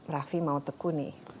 raffi mau tekuni